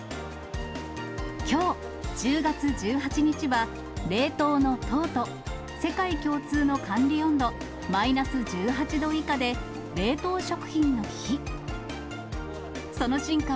きょう１０月１８日は、冷凍の１０と、世界共通の管理温度、マイナス１８度以下で冷凍食品の日。